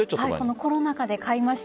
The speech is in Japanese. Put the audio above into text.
コロナ禍で買いました。